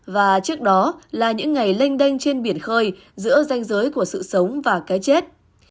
và trước đó là những ngày lênh đanh trên biển khơi giữa danh giới của sự sống và cái chết